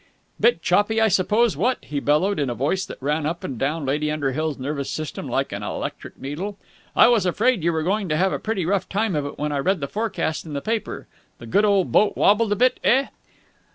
"Bit choppy, I suppose, what?" he bellowed, in a voice that ran up and down Lady Underhill's nervous system like an electric needle. "I was afraid you were going to have a pretty rough time of it when I read the forecast in the paper. The good old boat wobbled a bit, eh?"